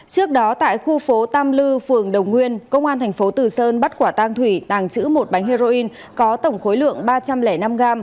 trước đó tại khu phố tam lư phường đồng nguyên công an thành phố tử sơn bắt quả tang thủy tàng trữ một bánh heroin có tổng khối lượng ba trăm linh năm g